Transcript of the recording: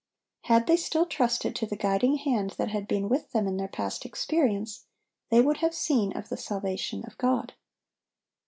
Had they still trusted to the guiding hand that had been with them in their past experience, they would have seen of the salvation of God.